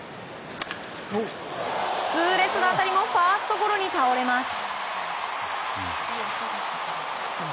痛烈な当たりもファーストゴロに倒れます。